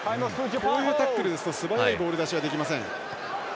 こういうタックルですと素早いボール出しができません。